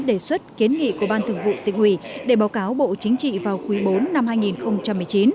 đề xuất kiến nghị của ban thường vụ tỉnh ủy để báo cáo bộ chính trị vào quý bốn năm hai nghìn một mươi chín